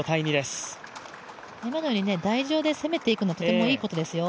今のように台上で攻めていくのはとてもいいことですよ。